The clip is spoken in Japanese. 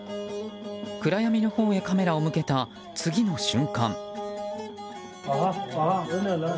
暗闇のほうへカメラを向けた次の瞬間。